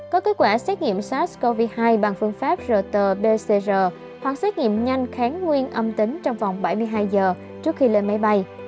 có kết quả xét nghiệm sars cov hai bằng phương pháp rt pcr hoặc xét nghiệm nhanh kháng nguyên âm tính trong vòng bảy mươi hai giờ trước khi lên máy bay